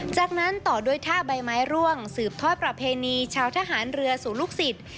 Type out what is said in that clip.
จากนั้นต่อด้วยท่าใบไม้ร่วงสืบทอดประเพณีชาวทหารเรือสู่ลูกศิษย์